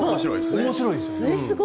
面白いですね。